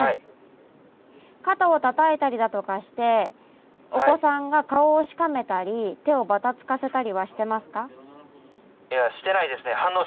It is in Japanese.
肩をたたいたりだとかしてお子さんが顔をしかめたり手をばたつかせたりはしてますか？